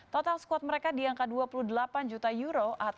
total skuad mereka di angka dua puluh delapan juta euro atau hanya seperempat